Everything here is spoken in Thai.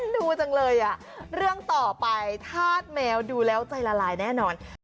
ดูจังเลยอ่ะเรื่องต่อไปธาตุแมวดูแล้วใจละลายแน่นอน